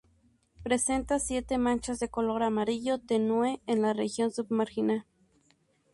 Presenta siete manchas de color amarillo tenue, en la región submarginal.